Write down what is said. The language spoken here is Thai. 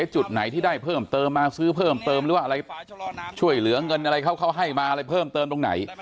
จุดไหนที่ได้เพิ่มเติมมาซื้อเพิ่มเติมหรือว่าอะไรช่วยเหลือเงินอะไรเขาเขาให้มาอะไรเพิ่มเติมตรงไหน